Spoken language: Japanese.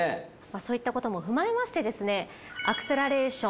そういったこともふまえましてですね。